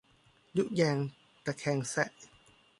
ยุแยงตะแคงแซะ